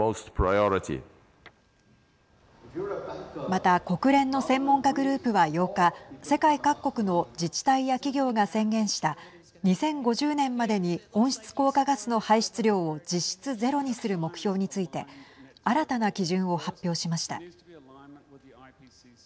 また、国連の専門家グループは８日世界各国の自治体や企業が宣言した２０５０年までに温室効果ガスの排出量を実質ゼロにする目標について新たな基準を発表しました。